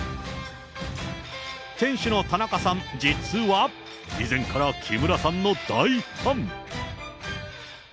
店主の田中さん、実は、以前から木村さんの大ファン。